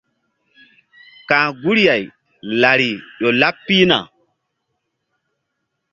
Ka̧h guri-ay lari ƴo laɓ pihna.